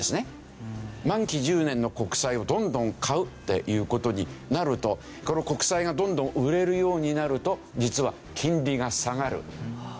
満期１０年の国債をどんどん買うっていう事になるとこの国債がどんどん売れるようになると実は金利が下がる。